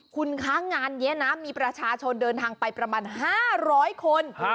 คุณคะงานนี้นะมีประชาชนเดินทางไปประมาณ๕๐๐คน